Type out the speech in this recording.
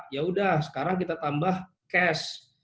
ya udah sekarang kita tambah cash